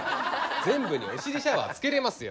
全部にお尻シャワー付けれますよ。